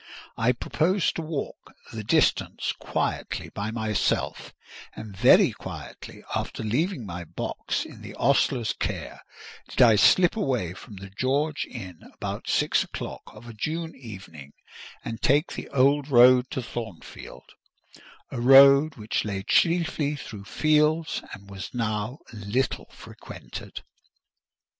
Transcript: I proposed to walk the distance quietly by myself; and very quietly, after leaving my box in the ostler's care, did I slip away from the George Inn, about six o'clock of a June evening, and take the old road to Thornfield: a road which lay chiefly through fields, and was now little frequented.